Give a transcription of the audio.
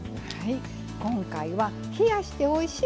今回は「冷やしておいしい！